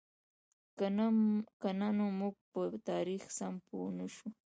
که نه نو موږ به په تاریخ سم پوهـ نهشو.